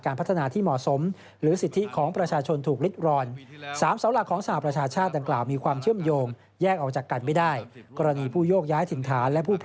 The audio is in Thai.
แรงผลักดันสา